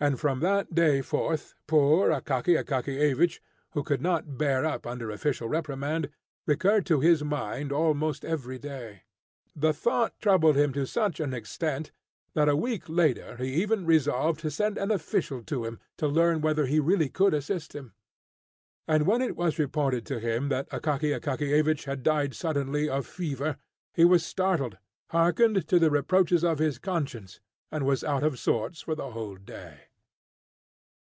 And from that day forth, poor Akaky Akakiyevich, who could not bear up under an official reprimand, recurred to his mind almost every day. The thought troubled him to such an extent, that a week later he even resolved to send an official to him, to learn whether he really could assist him. And when it was reported to him that Akaky Akakiyevich had died suddenly of fever, he was startled, hearkened to the reproaches of his conscience, and was out of sorts for the whole day.